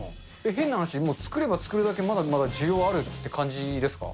変な話、作れば作るだけ、まだまだ需要があるって感じですか。